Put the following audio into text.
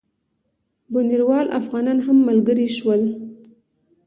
بُنیروال افغانان هم ملګري شول.